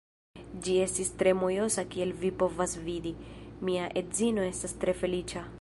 Ĝi estis tre mojosa kiel vi povas vidi, mia edzino estas tre feliĉa